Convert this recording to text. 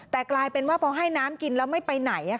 แต่กลายเป็นว่าพอให้น้ำกินแล้วไม่ไปไหน